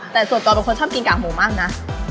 แต่ส่วนตัวเป็นคนชอบกินกากหมูมากนะ